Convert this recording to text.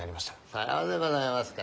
さようでございますか。